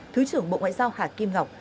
thứ trưởng bộ ngoại giao hà kim ngọc